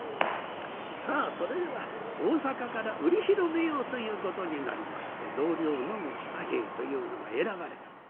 さあそれでは大坂から売り広めようということになりまして同僚野口太兵衛というのが選ばれた。